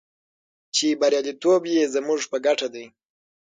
چې بریالیتوب یې زموږ په ګټه دی.